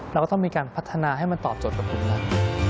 เราก็ต้องมีการพัฒนาให้มันตอบโจทย์กับผมแล้ว